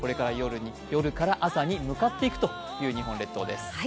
夜から朝に向かっていくという日本列島です。